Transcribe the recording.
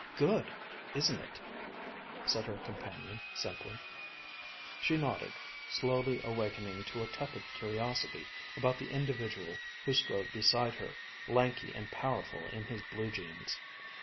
"Good, isn't it?" said her companion simply. She nodded, slowly awakening to a tepid curiosity about the individual who strode beside her, lanky and powerful in his blue jeans.